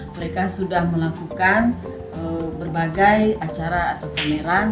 mereka sudah melakukan berbagai acara atau pameran